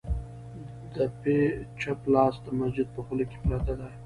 د په چپ لاس د مسجد په خوله کې پرته ده،